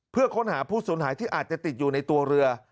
เพื่อค้นหาผู้สูญหายที่อาจจะติดอยู่ในตัวเรือ